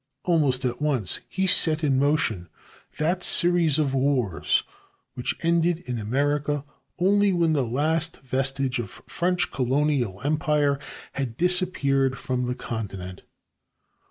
Almost at once, he set in motion that series of wars which ended in America only when the last vestige of French colonial empire had disappeared from the continent.